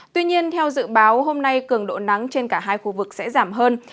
tuy nhiên theo dự báo hôm nay cường độ nắng trên cả hai khu vực sẽ giảm hơn